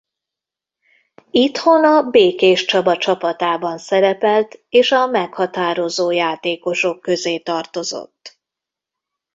Itthon a Békéscsaba csapatában szerepelt és a meghatározó játékosok közé tartozott.